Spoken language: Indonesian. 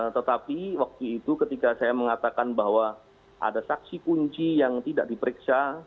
tetapi waktu itu ketika saya mengatakan bahwa ada saksi kunci yang tidak diperiksa